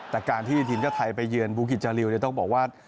แต่การที่ทีมชาติไทยไปเยือนบูกิจจาริวต้องบอกว่า